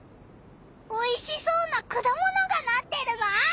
おいしそうなくだものがなってるぞ！